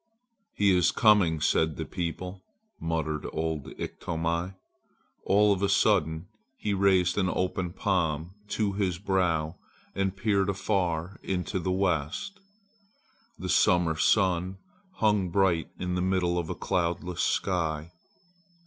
"'He is coming!' said the people," muttered old Iktomi. All of a sudden he raised an open palm to his brow and peered afar into the west. The summer sun hung bright in the middle of a cloudless sky.